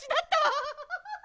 ハハハハ！